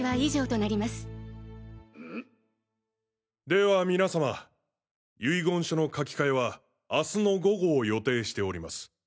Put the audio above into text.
ではみなさま遺言書の書き換えは明日の午後を予定しております。